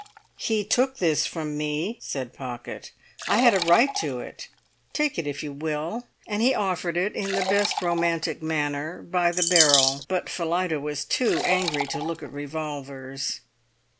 "He took this from me," said Pocket. "I had a right to it. Take it if you will!" And he offered it, in the best romantic manner, by the barrel. But Phillida was too angry to look at revolvers.